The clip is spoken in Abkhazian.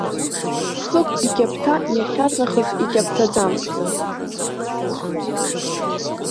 Хыгә иқьаԥҭа иахьарнахыс иқьаԥҭаӡам.